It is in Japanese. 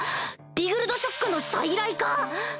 リグルドショックの再来か！